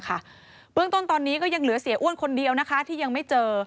เบื้องต้นตอนนี้ก็ยังเหลือเสียอ้วนคนเดียวนะคะที่ยังไม่เจอ